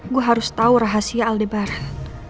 gue harus tahu rahasia aldebaran